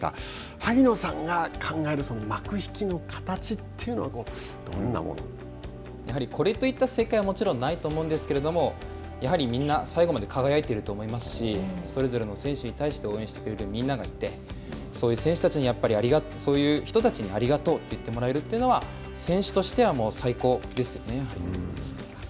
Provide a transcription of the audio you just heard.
萩野さんが考える幕引きの形というのやはり、これといった正解は、もちろんないと思うんですけれどもやはりみんな最後まで輝いていると思いますしそれぞれの選手に対して応援してくれるみんながいてそういう選手たちにそういう人たちにありがとうと言ってもらえるというのは選手としては最高ですよね。